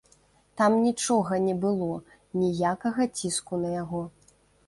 Там нічога не было, ніякага ціску на яго.